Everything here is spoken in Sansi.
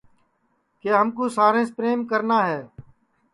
کہ ہم کُو ساریںٚس پریم کرنا ہے